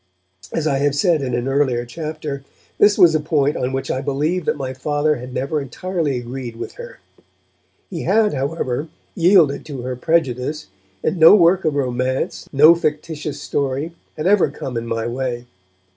As I have said in an earlier chapter, this was a point on which I believe that my Father had never entirely agreed with her. He had, however, yielded to her prejudice; and no work of romance, no fictitious story, had ever come in my way.